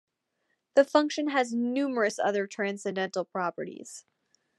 The function has numerous other transcendental properties.